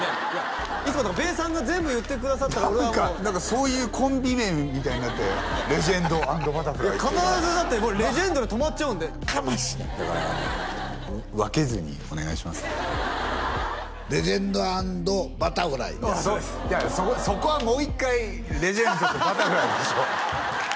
いつもべーさんが全部言ってくださったら何かそういうコンビ名みたいになってる「レジェンド」＆「バタフライ」って必ずだって「レジェンド」で止まっちゃうんでやかましいねんだから分けずにお願いしますね「レジェンド＆バタフライ」やいやそこはもう一回「レジェンド」と「バタフライ」でしょ